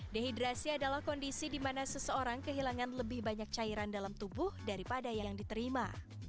dehidrasi adalah kondisi di mana seseorang kehilangan lebih banyak cairan dalam tubuh daripada yang diterima